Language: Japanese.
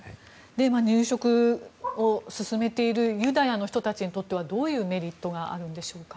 入植を進めているユダヤの人たちにとってはどういうメリットがあるんでしょうか。